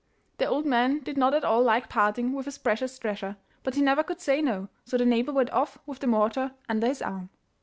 The old man did not at all like parting with his precious treasure, but he never could say no, so the neighbour went off with the mortar under his arm.